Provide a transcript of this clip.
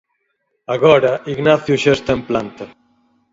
Agora, Ignacio xa está en planta.